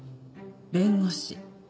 弁護士。